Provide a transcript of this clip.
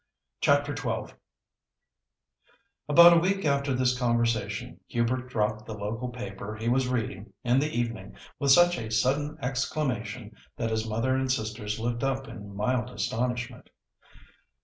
CHAPTER XII About a week after this conversation Hubert dropped the local paper he was reading in the evening with such a sudden exclamation that his mother and sisters looked up in mild astonishment.